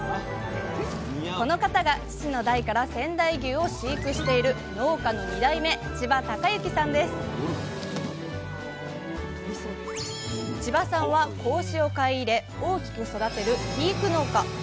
この方が父の代から仙台牛を飼育している農家の２代目千葉さんは子牛を買い入れ大きく育てる肥育農家。